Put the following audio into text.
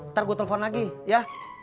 ntar gue telepon lagi ya